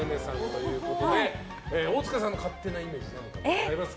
大塚さんの勝手なイメージ何かございますか。